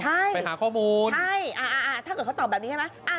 ใช่ไปหาข้อมูลใช่อ่าถ้าเกิดเขาตอบแบบนี้ใช่ไหม